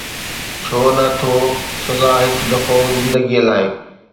ڇو نه ٿو سزا هڪ دفعو زندگيءَ لاءِ؟